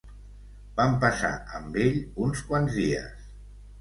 Vam passar amb ell uns quants dies.